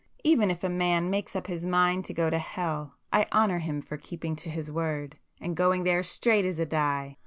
Even if a man makes up his mind to go to hell, I honour him for keeping to his word, and going there straight as a die!"